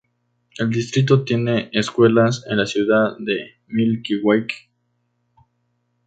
El distrito tiene escuelas en la Ciudad de Milwaukee.